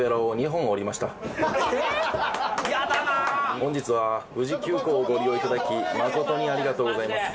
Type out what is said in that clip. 本日は富士急行をご利用いただき誠にありがとうございます。